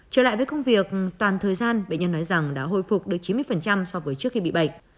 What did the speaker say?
trở lại với công việc toàn thời gian bệnh nhân nói rằng đã hồi phục được chín mươi so với trước khi bị bệnh